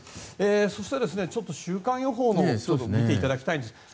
そして、ちょっと週間予報のほう見ていただきたいんです。